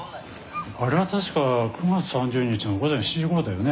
あれは確か９月３０日の午前７時ごろだよね？